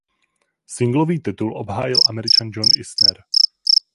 Singlový titul obhájil Američan John Isner.